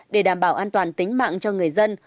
để đảm bảo an toàn tính mạng cho người dân